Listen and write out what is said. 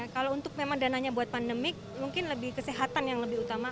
kalau untuk memang dananya buat pandemik mungkin lebih kesehatan yang lebih utama